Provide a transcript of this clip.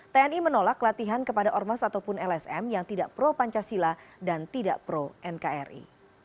tni menolak latihan kepada ormas ataupun lsm yang tidak pro pancasila dan tidak pro nkri